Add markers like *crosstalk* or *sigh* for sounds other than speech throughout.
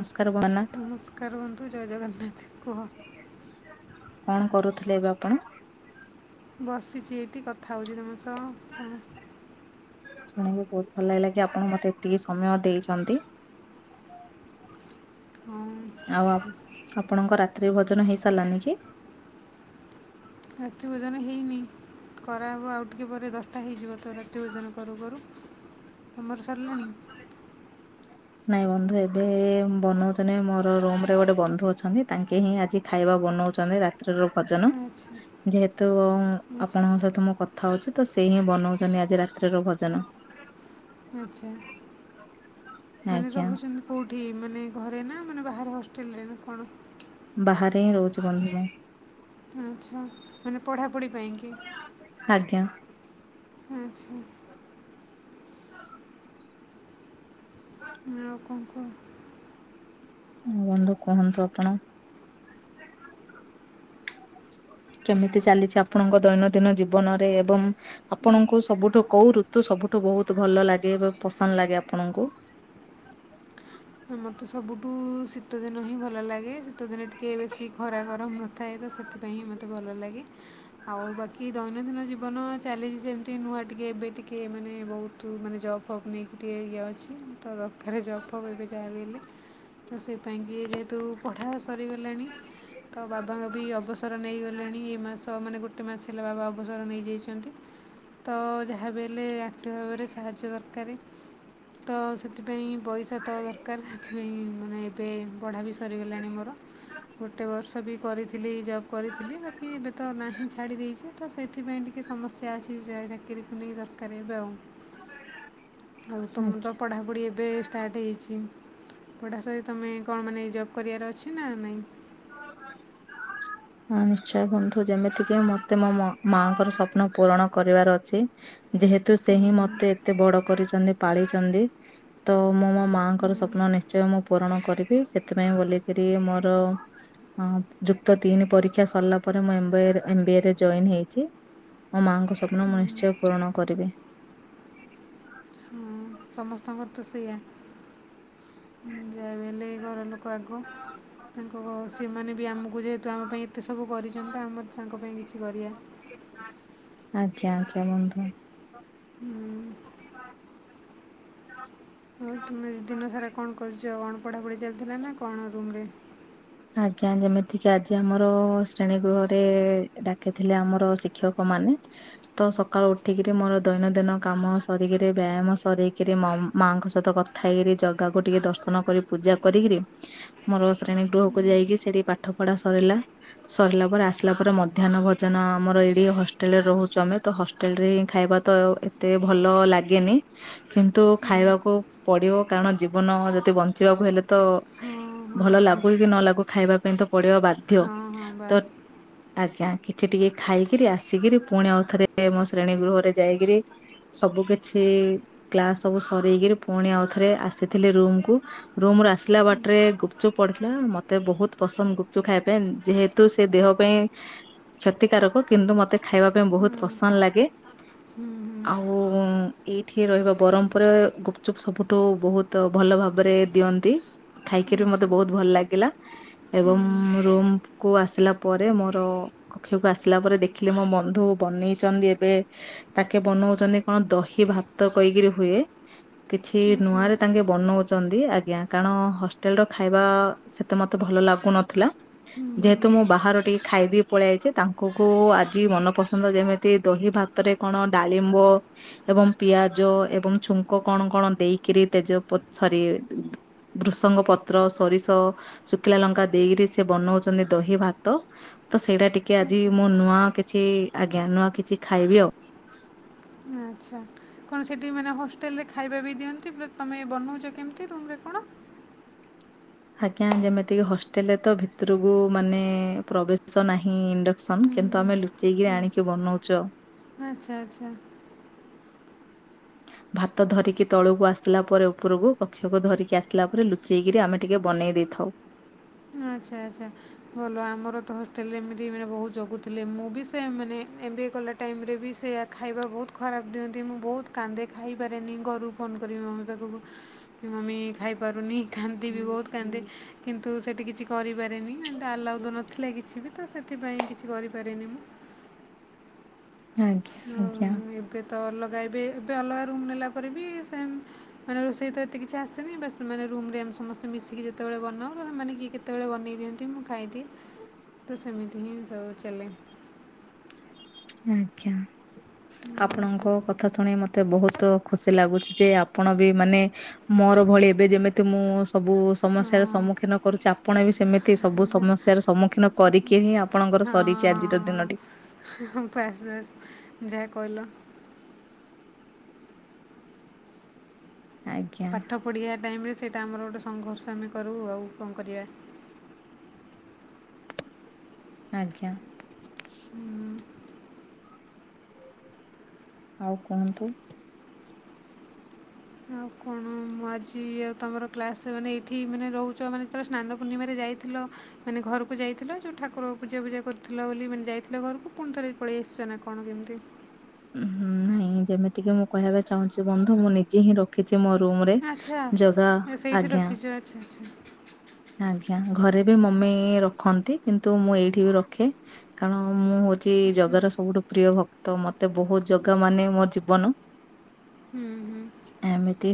ନମସ୍କାର ଭଗନ୍ନାଥ ନମସ୍କାର ବନ୍ଧୁ, ଜୟ ଜଗନ୍ନାଥ, କୁହ? କଣ କରୁଥିଲେ ଏବେ ଆପଣ? ବସିଚି ଏଇଠି, କଥା ହଉଚି ତମ ସହ, କଣ? ଶୁଣିବି ବହୁତ ଭଲ ଲାଗିଲା କି -ଆପଣ ମତେ ଏତିକି ସମୟ ଦେଇଛନ୍ତି। *inaudible* ହଁ ଆଉ ଆପଣଙ୍କ ରାତି ରାତ୍ରି ଭୋଜନ ହେଇ ସାରିଲାନି କି? ରାତ୍ରିଭୋଜନ ହେଇନି। କରାହେବ ଆଉ ଟିକିଏ ପରେ ଦଶଟା ହେଇଯିବ ତ ରାତି ଭୋଜନ କରୁ କରୁ। ତମର ସରଲାଣି? ନାଇଁ ବନ୍ଧୁ, ଏବେ ବନାଉଛନ୍ତି ମୋର ରୁମ ରେ ଗୋଟେ ବନ୍ଧୁ ଅଛନ୍ତି, ତାଙ୍କେ ହିଁ ଆଜି ଖାଇବାକୁ ବନଉଛନ୍ତି ରାତ୍ରିର ଭୋଜନ, ଆଚ୍ଛା ଯେହେତୁ ଆଚ୍ଛା ଆପଣଙ୍କ ସହିତ ମୁଁ କଥା ହଉଛି ତ ସେ ହିଁ ବନଉଛନ୍ତି ଆଜି ରାତ୍ରିର ଭୋଜନ ଆଛା, ମାନେ ଆଜ୍ଞା ରହୁଛନ୍ତି କୋଉଠି? ମାନେ ଘରେ ନା ମାନେ ବାହାରେ ହଷ୍ଟେଲରେ ନା କ ଣ? ବାହାରେ ହିଁ ରହୁଚି ବନ୍ଧୁ ମୁଁ। ଆଛା, ମାନେ ପଢ଼ାପଢ଼ି ପାଇଁକି? ଆଜ୍ଞା। ଆଛା। ଆଉ କଣ କୁହ? ଆ ବନ୍ଧୁ କୁହନ୍ତୁ ଆପଣ? କେମିତି ଚାଲିଛି ଆପଣଙ୍କ ଦୈନନ୍ଦିନ ଜୀବନରେ ଏବଂ ଆପଣଙ୍କୁ ସବୁଠୁ କଉ ଋ ତୁ ସବୁଠୁ ବହୁତ ଭଲ ଲାଗେ ଏବଂ ପସନ୍ଦ ଲାଗେ ଆପଣଙ୍କୁ? ମୋତେ ସବୁଠୁ ଶୀତଦିନ ହିଁ ଭଲ ଲାଗେ, ଶୀତ ଦିନ ଟିକେ ବେଶୀ ଖରା ଗରମ ନ ଥାଏ ତ, ସେଥିପାଇଁ ହିଁ ମୋତେ ଭଲ ଲାଗେ, ଆଉ ବାକି ଦୈନନ୍ଦିନ ଜୀବନ ଚାଲିଛି ସେମିତି ନୂ ମୁଁ ଆ ଟିକେ ଏବେ ଟିକେ ମାନେ ବହୁତ ମାନେ ଜବ୍ ଫବ ନେଇକି ଟିକେ ଇଏ ଅଛି, ତ ଦରକାର ଜବ୍ ଫବ ଏବେ ଯାହାବି ହେଲେ, ତ ସେ ପାଇଁକି ଯେହେତୁ ପଢ଼ା ସରିଗଲାଣି ତ ବାବାଙ୍କ ବି ଅବସର ନେଇଗଲେଣି, ଏ ମାସ ମାନେ ଗୋଟେ ମାସ ହେଲା ବାବା ଅବସର ନେଇଯାଇଚନ୍ତି। ତ ଯାହାବି ହେଲେ ଆର୍ଥିକ ଭାବରେ ସାହାଯ୍ୟ ଦରକାରେ। ତ ସେଥିପାଇଁ ପଇସା ତ ଦରକାର, ସେଥିପାଇଁ ମାନେ ଏବେ ପଢ଼ା ବି ସରିଗଲାଣି ମୋର। ଗୋଟେ ବର୍ଷ ବି କରିଥିଲି ଜବ୍ କରିଥିଲି, ବାକି ଏବେ ତ ନାହିଁ ଛାଡ଼ି ଦେଇଛି, ତ ସେଥିପାଇଁ ଟିକେ କେ ସମସ୍ୟା ଆସି ବି ଯାଏ, ଚାକିରୀକୁ ନେଇ ଦରକାର ଏବେ ଆଉ। ଆଉ ତମର ତ ଆଜ୍ଞା। ପଢ଼ାପଢ଼ି ଏବେ ଷ୍ଟାର୍ଟ ହେଇଛି ପଢ଼ା ସରି ତମେ କଣ ମାନେ ଜବ୍ କରିବାର ଅଛି ନା ନାଇଁ? ହଁ ନିଶ୍ଚୟ ବନ୍ଧୁ। ଯେମିତିକି ମତେ ମୋ ମ-ମାଙ୍କର ସ୍ୱପ୍ନ ପୂରଣ କରିବାର ଅଛି ଯେହେତୁ ସେ ହିଁ ମତେ ଏତେ ବଡ କରିଚନ୍ତି ପାଳିଚନ୍ତି, ତ ମୁଁ ମୋ ମାଙ୍କର ସ୍ୱପ୍ନ ନିଶ୍ଚୟ ମୁଁ ପୂରଣ କରିବି। ସେଥିପାଇଁ ବୋଲିକିରି ମୋର ହଁ। ଯୁକ୍ତ ତିନି ପରୀକ୍ଷା ସରିଲା ପରେ ମୁଁ ଏମ୍ ବ ଏ ରେ ଏମ୍ ବି ଏ ରେ ଜଏନ୍ ହେଇଛି। ମୋ ମାଙ୍କ ସ୍ୱପ୍ନ ମୁଁ ନିଶ୍ଚୟ ପୂରଣ କରିବି। ହଁ ସମସ୍ତଙ୍କର ତ ସେଇଆ। ଯାହାବି ହେଲେ ଘର ଲୋକ ଆଗ। ତାଙ୍କ ଅସ୍ ସେମାନେ ବି ଆମକୁ ଯେହେତୁ ଆମ ପାଇଁ ଏତେ ସବୁ କରିଛନ୍ତି ତ, ଆମର ତାଙ୍କ ପାଇଁ କିଛି କରିଆ। ଆଜ୍ଞା ଆଜ୍ଞା ବନ୍ଧୁ। ହୁଁ। ଆଉ ତୁମେ ଦିନ ସାରା କଣ କରୁଚ? କଣ ପଢ଼ାପଢ଼ି ଚାଲିଥିଲା ନା କଣ ରୁମରେ? ଆଜ୍ଞା। ଯେମିତିକି ଆଜି ଆମର ଶ୍ରେଣୀ ଗୃହରେ ଡାକିଥିଲେ ଆମର ଶିକ୍ଷକ ମାନେ, ତ ସକାଳୁ ଉଠିକିରି ମୋର ଦୈନନ୍ଦିନ କାମ ସରିକିରି ବ୍ୟାୟାମ ସରେଇକିରି ମ ମାଙ୍କ ସହିତ କଥା ହେଇକିରି, ଜଗାକୁ ଟିକେ ଦର୍ଶନ କରି ପୂଜା କରିକିରି, ମୋର ଶ୍ରେଣୀ ଗୃହକୁ କୁ ଯାଇକି ସେଠି ପାଠ ପଢା ସରିଲା। ସରିଲା ପରେ ଆସିଲା ପରେ ମଧ୍ୟାହ୍ନ ଭୋଜନ ଆମର ଏଇଠି ହଷ୍ଟେ ହଷ୍ଟେଲରେ ରହୁଚୁ ଆମେ, ତ ହଷ୍ଟେଲରେ ହିଁ ଖାଇବା ତ ଏତେ ଭଲ ଲାଗେନି। କିନ୍ତୁ ଖାଇ ହଁ ଖାଇବାକୁ ପଡିବ, କାରଣ ଜୀବନ ଯଦି ବଞ୍ଚିବାକୁ ହେଲେ ତ ହଁ ହଁ ଭଲ ଲାଗୁ ନ ବି ନଲାଗୁ ଖାଇବା ପାଇଁ ତ ପଡିବାକୁ ବାଧ୍ୟ। ହଁ ହଁ ତ ବାସ୍ ଆଜ୍ଞା। କିଛି ଟିକେ ଖାଇକିରି, ଆସିକିରି, ପୁଣି ଆଉଥରେ ମୋ ଶ୍ରେଣୀ ଗୃହରେ ଯାଇକିରି ସବୁ କିଛି ଛି କ୍ଲାସ ସବୁ ସରେଇକି ପୁଣି ଆଉଥରେ ଆସିଥିଲି ରୁମକୁୁ। ରୁମରୁ ଆସିଲା ବାଟରେ ଗୁପଚୁପ୍ ପଡୁଥିଲା। ମତେ ବହୁତ ପସନ୍ଦ ଗୁପଚୁପ୍ ଖାଇବା ପାଇଁ, ଯେହେତୁ ସେ ଦେହ ପାଇଁ କ୍ଷତିକାରକ କିନ୍ତୁ ମତେ ଖାଇବା ପାଇଁ ହଁ ବହୁତ ପସନ୍ଦ ଲାଗେ। ହୁଁ ହୁଁ। ଆଉ ଏଇଠି ରହିବା ବରହମପୁରେ ଗୁପଚୁପ୍ ସବୁଠୁ ବହୁତ ଭଲ ଭାବରେ ଦି ଅନ୍ତି। ହୁଁ ଖାଇକିରି ମତେ ଆଚ୍ଛା ବହୁତ ଭଲ ଲାଗିଲା ଏବଂ ହୁଁ ରୁମ୍ କୁ ଆସିଲା ପରେ, ମୋର କକ୍ଷକୁ ଆସିଲା ପରେ ଦେଖିଲି ମୋ ବନ୍ଧୁ ବନେଇଚନ୍ତି ଏବେ ତାକେ ବନଉଚନ୍ତି କଣ ଦହି ଭାତ କହିକିରି ହୁଏ କିଛି ଆଚ୍ଛା ନୂଆରେ ତାଙ୍କେ ବନଉଚନ୍ତି। ଆଜ୍ଞା। କାରଣ ହଷ୍ଟେଲର ଖାଇବା ବା ସେତେ ମତେ ଭଲ ଲାଗୁନଥିଲା। ହୁଁ ହୁଁ ଯେହେତୁ ହୁଁ ମୁଁ ବାହାର ଟିକେ ଖାଇଦେଇ ପଳେଇ ଆଇଚେ। ତାଙ୍କୁକୁ ଆଜି ମନପସନ୍ଦ ଯେମିତି, ଦହି ଭାତରେ କଣ ଡାଳିମ୍ବ ମ୍ୱ ଏବଂ ପିଆଜ ଏବଂ ଛୁଙ୍କ କଣ କଣ ଦେଇକିରି, ତେଜ ପ ସରି ଭୃସଙ୍ଗ ପତ୍ ପତ୍ର, ସୋରିଷ, ଶୁଖିଲା ଲଙ୍କା, ଦେଇକିରି ସେ ବନଉଚନ୍ତି ଦହି ଭାତ। ତ ସେଇଟା ଟିକେ ଆଜି ଆଚ୍ଛା ମୁଁ ନୂଆ କିଛି ଆଜ୍ଞା ନୂଆ କିଛି ଖାଇବି ଆଉ। ଆଚ୍ଛା। କଣ ସେଠି ମାନେ ହଷ୍ଟେଲରେ ଖାଇବା ବି ଦିଅନ୍ତି ପ୍ଲସ ତମେ ବି ବନଉଚ, କେମତି ରୁମରେ କଣ? ଆଜ୍ଞା। ଯେମିତିକି ହଷ୍ଟେଲରେ ତ ଭିତରକୁ ମାନେ ପ୍ରବେଶ ନାହିଁ ଇଣ୍ଡକ୍ସନ। କିନ୍ତୁ ଆମେ ଲୁଚେଇକିରି ଆଣିକି ବନଉଚୁ ଆଉ। ଆଚ୍ଛା ଆଚ୍ଛା। *unintelligible* ଭାତ ଧରିକି ତଳକୁ ଆସିଲା ପରେ ଉପରକୁ, କକ୍ଷକୁ ଧରିକି ଆସିଲା ପରେ, ଲୁଚେଇକିରି ଆମେ ଟିକେ ବନେଇ ଦେଇଥାଉ। *unintelligible* ଆଚ୍ଛା ଆଚ୍ଛା ଭଲ ଆମର ତ ହଷ୍ଟେଲରେ ଏମିତି ମାନେ ବହୁତ ଜଗୁଥିଲେ ମୁଁ ବି ସେମ୍ ମାନେ ଏ ବି ଏ ଗଲା ଟାଇମ ରେ ବି ସେୟା ଖାଇବା ବହୁତ ଖରାପ ଦିଅନ୍ତି ମୁଁ ବହୁତ କାନ୍ଦେ ଖାଇପାରେନି ଘରୁକୁ ଫୋନ୍ କରିି ମମି ପାଖକୁ କି ମମି ଖାଇପାରୁନି। କାନ୍ଦିବି ବହୁତ କାନ୍ଦେ କିନ୍ତୁ ସେଠି କିଛି କରିପାରେନି ଏମିତି ଆଲାଉ ତ ନଥିଲା କିଛି ବି ତ ସେଥିପାଇଁ କିଛି କରିପାରେନି ମୁଁ। ଆଜ୍ଞା ଆଉ ଆଜ୍ଞା। ଏବେ ତ ତ ଅଲଗା ଏବେ ଏବେ ଅଲଗା ରୁମ ନେଲା ପରେ ବି ସେମ ମାନେ ରୋଷେଇ ତ ଏତେ କିଛି ଆସେନି ବାସ ମାନେ ରୋ ରୁମ ରେ ଆମେ ସମସ୍ତେ ମିଶିକି ଯେତେବେଳେ ବନାଉ ତ ସେମାନେ କିଏ କେତେବେଳେ ବନେଇ ଦିଅନ୍ତି ମୁଁ ଖାଇଦିଏ। ତ ସେମିତି ହିଁ ସବୁ ଚାଲେ। ଆଜ୍ଞା ଆପଣଙ୍କ କଥା ଶୁଣି ମତେ ବହୁତ ଖୁସି ଲାଗୁଛି ଯେ ଆପଣ ବି ମାନେ ମୋର ଭଳି ଏବେ ଯେମିତି ମୁଁ ସବୁ ସମସ୍ୟାର ହଁ ସମ୍ମୁଖୀନ କରୁଛି ଆପଣ ବି ସେମିତି ସବୁ ସମସ୍ୟାର ସମ୍ମୁଖୀନ କରିକି ହିଁ ଆ ଆପଣଙ୍କର ସରିଛି ଆଜିର ହଁ ଦିନଟି। ହଁ ବାସ୍ ବାସ୍ ଯାହା କହିଲ। ଆଜ୍ଞା ପାଠ ପଢିବା ଟାଇମ ରେ ସେଇଟା ଆମର ଗୋଟେ ସଂଘର୍ଷ ଆମେ କରୁ ଆଉ କଣ କରିବା? ଆଜ୍ଞା। ଆଉ କୁହନ୍ତୁ। ଆଉ କଣ ମୁଁ ଆଜି ଆଉ ତୁମର କ୍ଲାସ ମାନେ ଏଇଠି ମାନେ ରହୁଛ ମାନେ ଯେତେବେଳେ ସ୍ନାନ ପୂର୍ଣିମାରେ ଯାଇଥିଲ ମାନେ ଘ ଘରକୁ ଯାଇଥିଲ ଯଉ ଠାକୁରକୁ ପୂଜା ପୂଜା କରୁଥିଲ ବୋଲି ମାନେ ଯାଇଥିଲ ଘରକୁ ପୁଣି ଥରେ ପଳେଇ ଆସିଛ ନା କଣ କେମିତି? ହୁଁ ନାଇଁ ଯେମିତି କି ମୁଁ କହିବାକୁ ଚାହୁଁଛି ବନ୍ଧୁ ମୁଁ ନିଜେ ହିଁ ରଖି ମୋ ରୁମ ରେ ଆଚ୍ଛା ଜଗା ସେଇଠି ଆଜ୍ଞା। ରଖିଛ ଆଚ୍ଛା ଆଚ୍ଛା ଆଜ୍ଞା ଘରେ ବି ମମି ରଖନ୍ତି କିନ୍ତୁ ମୁଁ ଏଇଠି ବି ରଖେ କାରଣ ମୁଁ ଖୀ ଆଚ୍ଛା ଜଗାର ସବୁଠୁ ପ୍ରିୟ ଭକ୍ତ ମତେ ବହୁତ ଜଗା ମାନେ ମୋ ଜୀବନ। ହୁଁ ହୁଁ।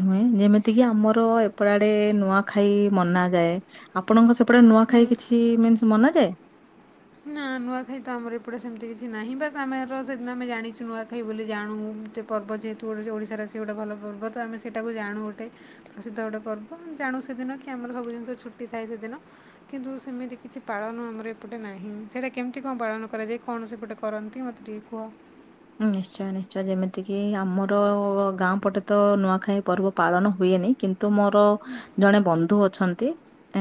ମାନେ ଯେମିତି କି ଆମର ଏପଟ ଆଡେ ନୂଆ ଖାଇ ମନାଯାଏ ଆପଣଙ୍କ ସେପ ସେପଟେ ନୁଆଖାଇ କିଛି ମିନ୍ସ ମନାଯାଏ? ନା ନୂଆଖାଇ ତ ଆମର ଏପଟେ ସେମିତି କିଛି ନାହିଁ ବାସ୍ ଆମେ ର ସେଦିନ ଆମେ ଜାଣିଛୁ ନୁଆଖାଇ ବୋଲି ଜାଣୁ‌ ଏମିତି ପର୍ବ ଯେହେତୁ ଓଡ଼ି ଓଡ଼ିଶାର ସେ ଗୋଟେ ଭଲ ପର୍ବ ତ ଆମେ ସେଇଟାକୁ ଯାଣୁ ଗୋଟେ ପ୍ରସିଦ୍ଧ ଗୋଟେ ପର୍ବ ଜାଣୁ ସେଦିନ କି ଆମର ସବୁ ଜିନିଷ ଛୁଟି ଥାଏ ସେଦିନ କିନ୍ତୁ ସେମିତି କିଛି ପାଳନ ଆମର ଏପ ଟେ ନାହିଁ ସେଇଟା କେମିତି କଣ ପାଳନ କରାଯାଏ କଣ ସେପଟେ କରନ୍ତି ମତେ ଟିକେ କୁହ? ନିଶ୍ଚୟ ନିଶ୍ଚୟ ଯେମିତି କିି ଆମର ଗୋ ଗୋ ଗାଁ ପଟେ ତ ନୂଆଖାଇ ପର୍ବ ପାଳନ ହୁଏନି କି ତ ମୋର ଜଣେ ବନ୍ଧୁ ଅଛନ୍ତି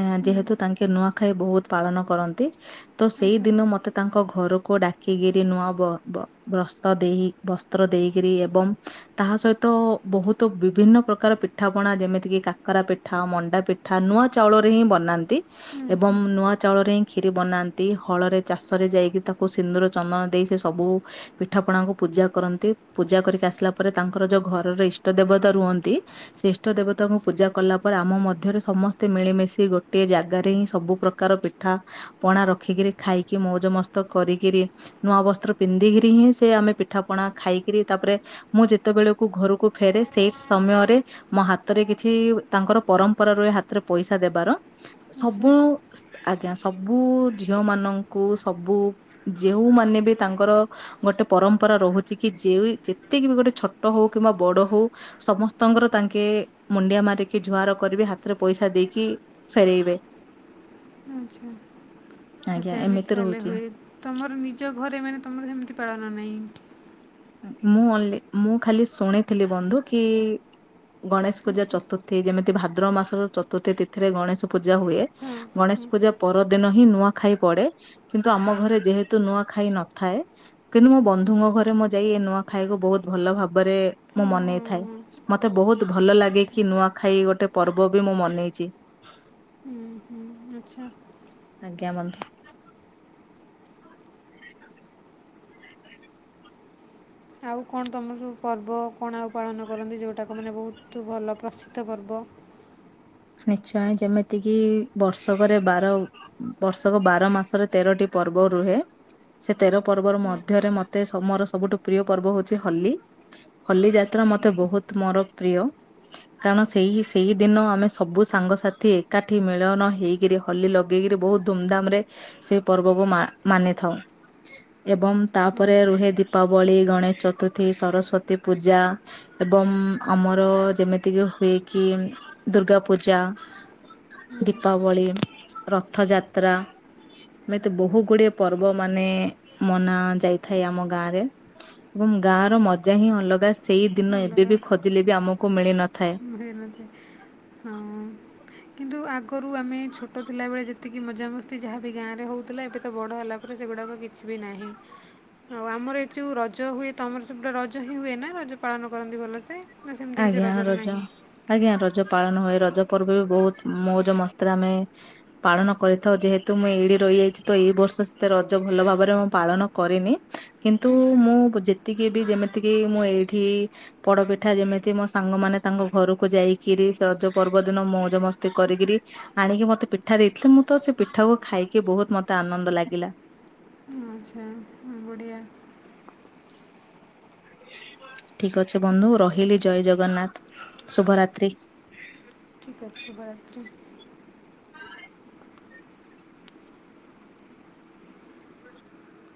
ଏଁ ଯେହେତୁ ତାଙ୍କେ ନୂଆଖାଇ ବହୁତ ପାଳନ କରନ୍ତି ତ ସେଇ ଆଚ୍ଛା ଦିନ ମତେ ତାଙ୍କ ଘରକୁ ଡା ଡାକିକିରି ନୂଆ ବ ବ ବସ ତ ଦେଇ ବସ୍ତ୍ର ଦେଇକିରି ଏବଂ ତାହା ସହିତ ବହୁତ ବିଭିନ୍ନ ପ୍ରକାର ପିଠା ପ ଣା ଯେମିତି କିି କାକରା ପିଠା ମଣ୍ଡା ପିଠା ନୂଆ ଚାଉଳ ରେ ହିଁ ବନାନ୍ତି। ଆଚ୍ଛା ଏବଂ ନୂଆ ଚାଉଳରେ କ୍ଷିରି ବନାନ୍ତି ହଳରେ ଚାଷରେ ଯାଇକି ତାକୁ ସିନ୍ଦୁର ଚନ୍ଦନ ଦେଇ ସେ ସବୁ। ପିଠା ପଣାଙ୍କୁ ପୂଜା କରନ୍ତି ପୂଜା କରିକି ଆସିଲା ପରେ ତାଙ୍କର ଯୋଉ ଘରର ଇଷ୍ଟ ଦେବତା ରୁହନ୍ତି। ସେ ଇଷ୍ଟ ଦେବତାଙ୍କୁ ପୂଜା କଲା ପରେ ଆମ ମଧ୍ୟରେ ସମସ୍ତେ ମିଳିମିଶି ଗୋଟିଏ ଜାଗାରେ ହିଁ ସବୁ ପ୍ରକାର ପିଠା ପଣା ରଖିକିରି ଖାଇକି ମଉଜ ମସ୍ତ କରିକିରି ନୂଆ ବସ୍ତ୍ର ପିନ୍ଧିକିରି ହିଁ ସେ ଆମେ ପିଠା ପଣା ଖାଇକିରି ତାପରେ ମୁଁ ଯେତେବେଳକୁ ଘରକୁ ଫେରେ ସେଇ ସମୟରେ ମୋ ହାତରେ କିଛି ତାଙ୍କର ପରମ୍ପରା ରୁହେ ହାତରେ ପଇସା ଦେବାର ଆଚ୍ଛା ସବୁ। ଆଜ୍ଞା ସବୁ ଝିଅ ମାନଙ୍କୁ ସବୁ ଯେଉଁମାନେ ବି ତାଙ୍କର ଗୋଟେ ପରମ୍ପରା ରହୁଛି କି ଯେ ଯେତିକି ବି ଗୋଟେ ଛୋଟ ହଉ କିମ୍ବା ବଡ଼ ହଉ ସମସ୍ତଙ୍କର ତାଙ୍କେ ଏ ମୁଣ୍ଡିଆ ମାରିକି ଜୁହାର କରିବେ ହାତରେ ପଇସା ଦେଇକି ଫେରେଇବେ। ଆଚ୍ଛା। ଆଜ୍ଞା ଆଚ୍ଛା ଏମିତି ତାହେଲେ ରହୁଛି ହୁଏ ତମର ନିଜ ଘରେ ମାନେ ତମର ସେମିତି ପାଳନ ନାହିଁ। ମୁଁ ଖାଲି ଶୁଣିଥିଲି ବନ୍ଧୁ କି ଗଣେଶ ପୂଜା ଆଚ୍ଛା ଚତୁର୍ଥୀ ଯେମିତି ଭ ଭାଦ୍ରବ ମାସର ଚତୁର୍ଥ ତିଥିରେ ଗଣେଶ ପୂଜା ହୁଏ ହଁ ଗଣେଶ ପୂଜା ପରଦିନ ହିଁ ନୂଆ ଖାଇ ପଡେ କିନ୍ତୁ ଆମ ଘରେ ଯେହେତୁ ନୂଆ ଖାଇ ନଥାଏ କିନ୍ତୁ ମୋ ଆଚ୍ଛା ବନ୍ଧୁଙ୍କ ଘରେ ମ ଯାଇ ଏ ନୂଆ ଖାଇକୁ ବହୁତ ଭଲ ଭାବରେ ମୁଁ ହଁ ମନେଇ ହଁ ଥାଏ ମତେ ବହୁତ ଭଲ ଲାଗେ କି ନୂଆ ଖାଇ ଗୋଟେ ପର୍ବ ବି ମୁଁ ମନେଇଛି। ହୁଁ ହୁଁ। ଆଚ୍ଛା ଆଜ୍ଞା ବନ୍ଧୁ। ଆଉ କଣ ତୁମର ସବୁ ପର୍ବ କଣ ଆଉ ପାଳନ କରନ୍ତି ଯେଉଁଟାକ ମାନେ ବହୁତ ଭଲ ପ୍ରସିଦ୍ଧ ପର୍ବ? ବ। ନିଶ୍ଚୟ ଯେମିତିକି ବର୍ଷକରେ ବାର ବର୍ଷକ ବାର ମାସରେ ତେରଟି ପର୍ବ ରୁହେ। ସେ ତେର ପର୍ବ ମଧ୍ୟରେ ମତେ ମୋର ସବୁଠୁ ପ୍ରିୟ ପର୍ବ ହଉଛି ହୋଲି ହୋଲି ଯାତ୍ରା ମତେ ମୋର ବହୁତ ପ୍ରିୟ କାରଣ ସେହି ଦିନ ଆମେ ସବୁ ସାଙ୍ଗସାଥି ଏକାଠି ମିଳନ ହେଇକିରି ହୋଲି ଲଗେଇକିରି ବହୁତ ଧୁମଧାମ ରେ ସେ ପର୍ବ ମାନିଥାଉ। ଏବଂ ତାପରେ ରୁହେ ଦୀପାବଳି, ଗଣେଶ ଚତୁର୍ଥୀ, ସରସ୍ଵତୀ ପୂଜା ଏବଂ ଆମର ଯେମିତିକି ହୁଏ କି ଦୁର୍ଗା ପୂଜା। ଦୀପାବଳି, ରଥଯାତ୍ରା ଏମିତି ବହୁତ ଗୁଡିଏ ପର୍ବ ମାନେ ମନା ଯାଇଥାଏ ଆମ ଗାଁରେ ଏବଂ ଗାଁ ର ମଜା ହିଁ ଅଲଗା ସେଇ ଦିନ ଏବେ ଅଲଗା ବି ଖୋଜିଲେ ବି ଆମକୁ ମିଳି ନଥାଏ। *inaudible* ହଁ କିନ୍ତୁ ଆଗରୁ ଆମେ ଛୋଟ ଥିଲାବେଳେ ଯେତିକି ମଜାମସ୍ତି ଯାହାବି ଗାଁରେ ହଉ ଥିଲା ଏବେ ତ ବଡ଼ ହେଲା ପରେ ସେଗୁଡ଼ାକ କିଛି ବି ନାହିଁ। ଆଉ ଆମର ଏଠି ଯୋଉ ରଜ ହୁଏ ତମର ସେପଟେ ରଜ ହିଁ ହୁଏ ନା ରଜ ପାଳନ କରନ୍ତି ଭଲସେ ନା ସେମିତି କିଛି ଆଜ୍ଞା ରଜର ରଜ ନାହିଁ? ଆଜ୍ଞା ରଜ ପାଳନ ହୁଏ ରଜ ପର୍ବ ବି ବହୁତ ମଉଜ ମସ୍ତିରେ ଆମେ ପାଳନ କରିଥାଉ ଯେହେତୁ ତୁ ମୁଁ ଏଇଠି ରହିଯାଇଛି ତ ଏଇ ବର୍ଷ ସେତେ ରଜ ଭଲ ଭାବରେ ମୁଁ ପାଳନ କରିନି କିନ୍ତୁ ଆଚ୍ଛା ମୁଁ ଯେତିକି ବି ଯେମିତିକି ମୁଁ ଏଇଠି ପୋଡ଼ପିଠା ଯେମି ମୋ ସାଙ୍ଗମାନେ ତାଙ୍କ ଘରକୁ ଯାଇକିରି ରଜ ପର୍ବ ଦିନ ମୌଜ ମସ୍ତି କରିକରି ଆଣିକି ମତେ ପିଠା ଦେଇଥିଲେ ମୁଁ ତ ସେ ପିଠାକୁ ଖାଇକି ବହୁତ ମତେ ଆନନ୍ଦ ଲାଗିଲା। ଆଚ୍ଛା ବଢ଼ିଆ। *inaudible* ଠିକ ଅଛି ବନ୍ଧୁ ରହିଲି ଜୟ ଜଗନ୍ନାଥ ଶୁଭରାତ୍ରି। ଠିକ୍ ଅଛି ଶୁଭରାତ୍ରି।